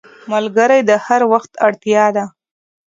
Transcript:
ملګری د هر وخت اړتیا ده